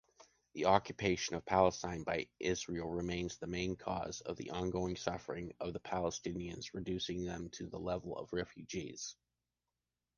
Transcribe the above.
The occupation of Palestine by Israel remains the main cause of the ongoing suffering of the Palestinians, reducing them to the level of refugees.